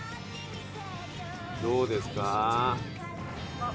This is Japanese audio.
どうですか？